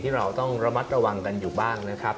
เราต้องระมัดระวังกันอยู่บ้างนะครับ